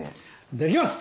できます！